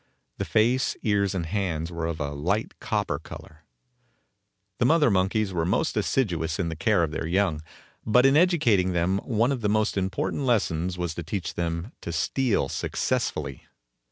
The face, ears and hands were of a light copper color. The mother monkeys were most assiduous in the care of their young, but in educating them one of the most important lessons was to teach them to steal successfully.